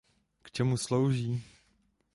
K čemu slouží?